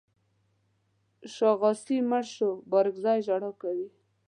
شاغاسي مړ شو بارکزي ژړا کوي.